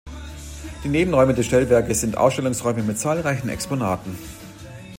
Die Nebenräume des Stellwerkes sind Ausstellungsräume mit zahlreichen Exponaten.